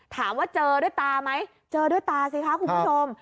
ถามว่าเจอด้วยตาไหมเจอด้วยตาสิคะคุณผู้ชม